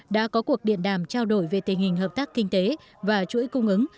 đã có cuộc điện đàm trao đổi về tình hình hợp tác kinh tế và chuỗi cung ứng